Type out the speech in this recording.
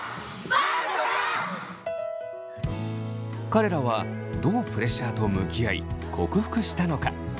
彼らはどうプレッシャーと向き合い克服したのか？